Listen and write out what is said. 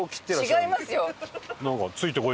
違いますよ！